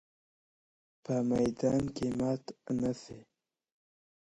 په میدان کي مات نه سو